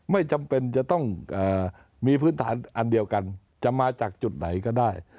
ไม่จำเป็นจะต้องมีพื้นฐานอันเดียวกันจะมาจากจุดไหนก็ได้